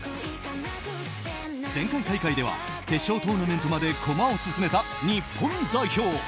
前回大会では決勝トーナメントまで駒を進めた日本代表。